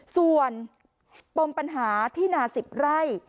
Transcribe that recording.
ส่วนปมปัญหาที่นา๑๐ไร่